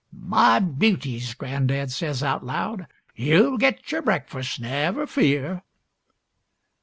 "My beauties," gran'dad says out loud, "You'll get your breakfasts, never fear."